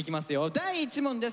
第１問です。